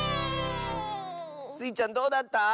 スイちゃんどうだった？